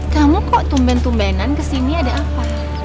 kamu kok tumben tumbenan kesini ada apa